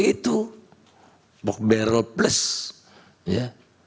itu pork barrel plus ya